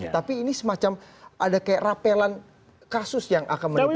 tapi ini semacam ada kayak rapelan kasus yang akan menimbulkan